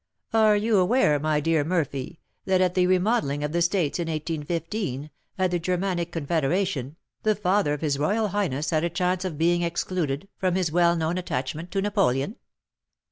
Are you aware, my dear Murphy, that at the remodelling of the States in 1815, at the Germanic confederation, the father of his royal highness had a chance of being excluded, from his well known attachment to Napoleon?